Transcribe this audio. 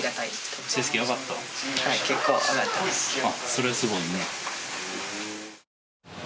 それすごいね。